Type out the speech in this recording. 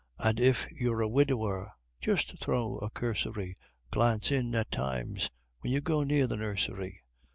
And if you're a widower, just throw a cursory Glance in, at times, when you go near the Nursery.